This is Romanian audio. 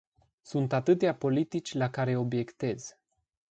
Sunt atâtea politici la care obiectez.